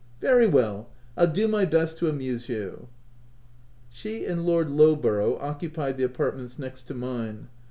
— Very well, I'll do my best to amuse you/' She and Lord Lowborough occupied the apartments next to mine.